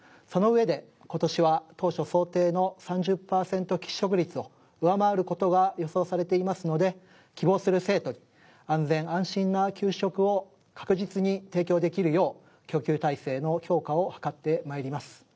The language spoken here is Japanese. その上で今年は当初想定の３０パーセント喫食率を上回る事が予想されていますので希望する生徒に安全安心な給食を確実に提供できるよう供給体制の強化を図ってまいります。